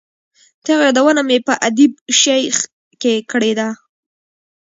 د هغه یادونه مې په ادیب شیخ کې کړې ده.